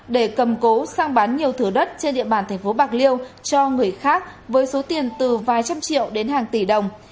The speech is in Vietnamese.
để cầm cố sang bán nhiều thửa đất trên địa bàn thành phố bạc liêu cho người khác với số tiền từ vài trăm triệu đến hàng tỷ đồng